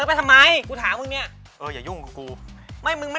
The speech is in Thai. อีกทีก็ไม่มีความรู้สึกว่าข้าจะเป็นใคร